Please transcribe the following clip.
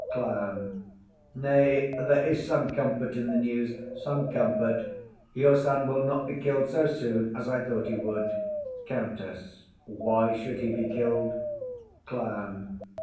CLOWN. Nay, there is some comfort in the news, some comfort; your son will not be kill'd so soon as I thought he would. COUNTESS. Why should he be kill'd? CLOWN.